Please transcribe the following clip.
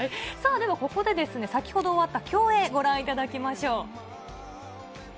ではここで先ほど終わった競泳、ご覧いただきましょう。